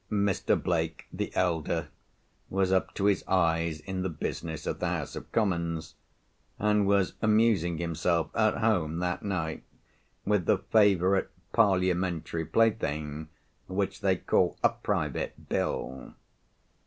Mr. Blake, the elder, was up to his eyes in the business of the House of Commons, and was amusing himself at home that night with the favourite parliamentary plaything which they call "a private bill."